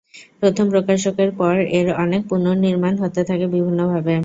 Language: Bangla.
প্রথম প্রকাশের পর এর অনেক পুনর্নির্মাণ হতে থাকে বিভিন্নভাবে।